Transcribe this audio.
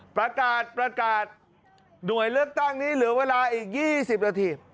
ประกาศประกาศหน่วยเลือกตั้งนี้เหลือเวลาอีก๒๐นาที